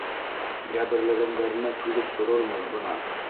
Йәберләгәндәренә түҙеп торормон бына!